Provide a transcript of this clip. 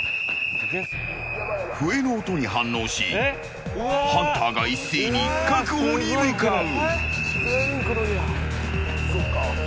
笛の音に反応しハンターが一斉に確保に向かう。